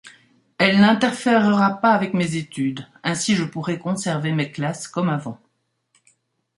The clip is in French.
Elle n'interférera pas avec mes études, ainsi je pourrai conserver mes classes comme avant.